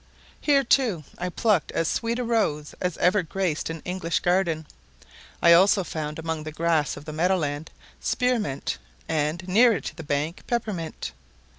Here, too, I plucked as sweet a rose as ever graced an English garden. I also found, among the grass of the meadow land, spearmint, and, nearer to the bank, peppermint.